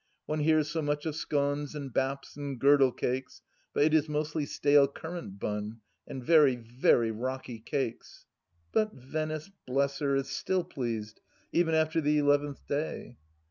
One hears so much of scones and baps and girdle cakes, but it is mostly stale currant bun, and very, very rocky cakes. But Venice, bless her 1 is still pleased, even after the eleventh day.